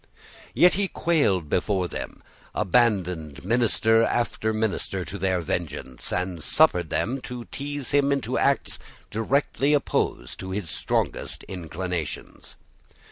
Yet he quailed before them, abandoned minister after minister to their vengeance, and suffered them to tease him into acts directly opposed to his strongest inclinations.